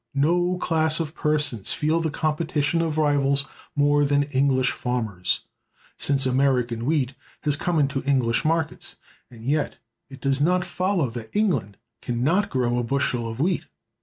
No class of persons feel the competition of rivals more than English farmers since American wheat has come into English markets, and yet it does not follow that England can not grow a bushel of wheat.